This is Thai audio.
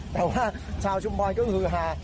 แต่ว่าชาวชุมพรเกือบฮ่า